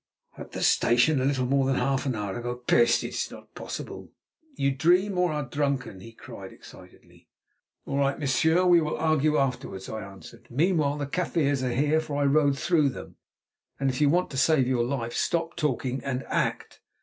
"At the station a little more than half an hour ago! Peste! it is not possible. You dream or are drunken," he cried excitedly. "All right, monsieur, we will argue afterwards," I answered. "Meanwhile the Kaffirs are here, for I rode through them; and if you want to save your life, stop talking and act.